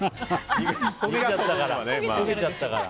焦げちゃったから。